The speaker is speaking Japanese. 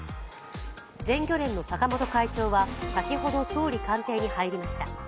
全漁連の坂本会長は先ほど、総理官邸に入りました。